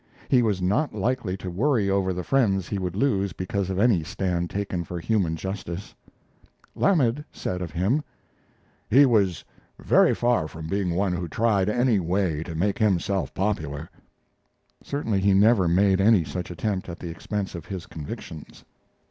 He was not likely to worry over the friends he would lose because of any stand taken for human justice. Lamed said of him: "He was very far from being one who tried in any way to make himself popular." Certainly he never made any such attempt at the expense of his convictions.